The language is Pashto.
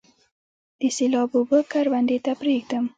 د سیلاب اوبه کروندې ته پریږدم؟